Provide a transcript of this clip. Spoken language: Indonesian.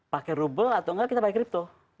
pakai ruble atau nggak kita pakai crypto